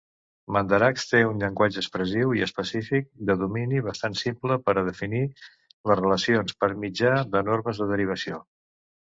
Mandarax té un llenguatge expressiu i específic de domini bastant simple per definir les relacions per mitjà de normes de derivació.